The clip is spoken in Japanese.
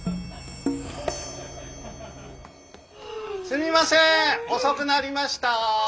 すみません遅くなりました。